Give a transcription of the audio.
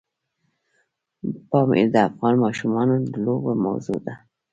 پامیر د افغان ماشومانو د لوبو موضوع ده.